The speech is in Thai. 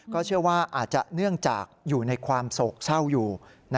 เชื่อว่าอาจจะเนื่องจากอยู่ในความโศกเศร้าอยู่